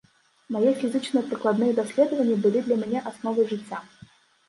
Мае фізічныя прыкладныя даследаванні былі для мне асновай жыцця.